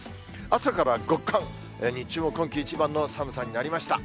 朝から極寒、日中も今季一番の寒さになりました。